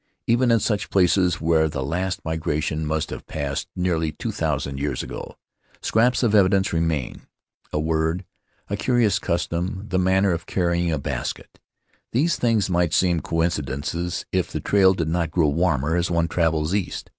Even in such places, where the last migration must have passed nearly two thousand years ago, scraps of evidence remain — a word, a curious custom, the manner of carrying a basket. These things might seem coincidences if the trail did not grow warmer as one travels east.